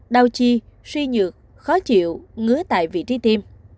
đau chi suy nhược khó chịu ngứa tại vị trí tiêm